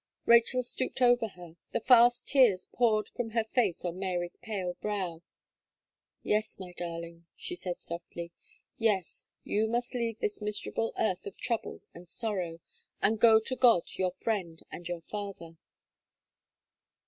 Rachel stooped over her; the fast tears poured from her face on Mary's pale brow, "yes, my darling," she said softly, "yes, you must leave this miserable earth of trouble and sorrow, and go to God your friend and your father."